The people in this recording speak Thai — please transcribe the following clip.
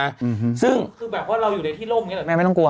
คือแบบว่าเราอยู่ในที่ร่มเนี่ยแหละไม่ต้องกลัว